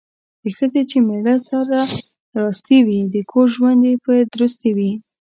د ښځې چې میړه سره راستي وي، د کور ژوند یې په درستي وي.